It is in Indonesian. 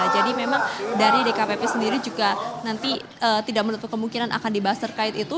jadi memang dari dkpp sendiri juga nanti tidak menutup kemungkinan akan dibahas terkait itu